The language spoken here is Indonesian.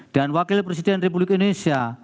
wakil presiden republik indonesia